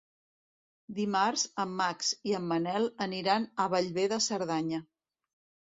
Dimarts en Max i en Manel aniran a Bellver de Cerdanya.